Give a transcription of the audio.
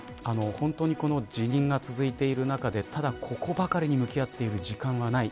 本当に辞任が続いている中でただ、ここばかりに向き合っている時間はない。